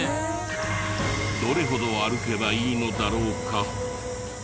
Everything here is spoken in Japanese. どれほど歩けばいいのだろうか？